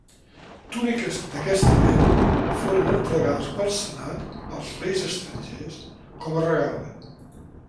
Túniques d'aquesta mena foren entregades pel senat als reis estrangers com a regal.